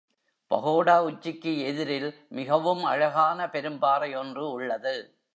பகோடா உச்சிக்கு எதிரில் மிகவும் அழகான பெரும்பாறை ஒன்று உள்ளது.